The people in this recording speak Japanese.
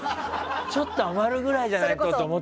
ちょっと余るぐらいじゃないかと思って。